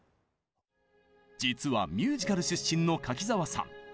実はミュージカル出身の柿澤さん。